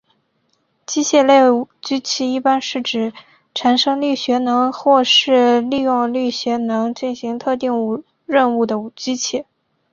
机械类机器一般是指产生力学能或是利用力学能进行特定任务的机器。